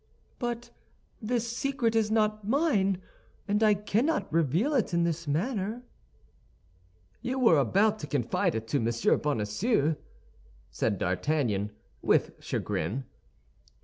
"But this secret is not mine, and I cannot reveal it in this manner." "You were about to confide it to Monsieur Bonacieux," said D'Artagnan, with chagrin.